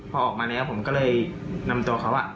พอออกมาแล้วผมก็เลยนำตัวเขา